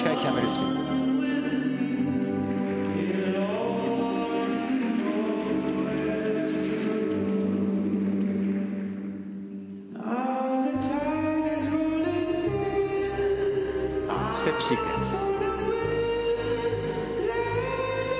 ステップシークエンス。